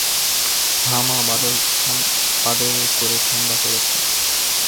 হাঁ মা, বাদল করে ঠাণ্ডা পড়েছে।